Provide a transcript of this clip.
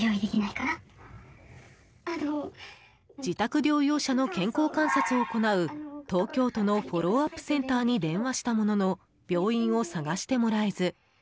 自宅療養者の健康観察を行う東京都のフォローアップセンターに電話したものの病院を探してもらえず。